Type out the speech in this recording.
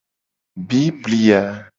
Biblia.